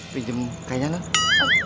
pinjem kayaknya loh